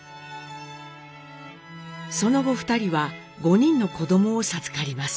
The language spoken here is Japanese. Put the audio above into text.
その後２人は５人の子どもを授かります。